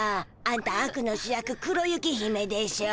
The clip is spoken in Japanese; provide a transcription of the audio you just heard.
あんたあくの主役黒雪姫でしょ。